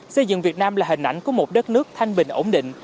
xây dựng việt nam là hình ảnh của một đất nước thanh bình ổn định